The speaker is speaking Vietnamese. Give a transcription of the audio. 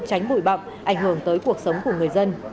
tránh bụi bậm ảnh hưởng tới cuộc sống của người dân